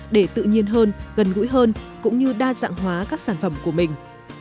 để tự nhiên hơn gần gũi hơn cũng như đa dạng hóa các sản phẩm của mình